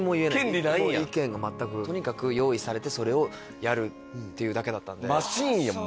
権利ないんやもう意見が全くとにかく用意されてそれをやるっていうだけだったんでマシーンやん